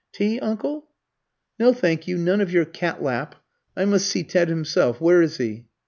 "Tea, uncle?" "No, thank you, none of your cat lap. I must see Ted himself. Where is he?"